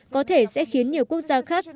có thể sẽ khiến nhiều quốc gia khác